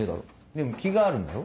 でも気があるんだろ？